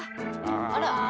あら。